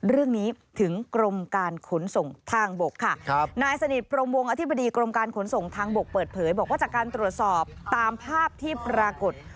เรื่องนี้ถึงกรมการขนส่งทางบกค่ะครับนายสนิทพรมวงอธิบดีกรมการขนส่งทางบกเปิดเผยบอกว่าจากการตรวจสอบตามภาพที่ปรากฏ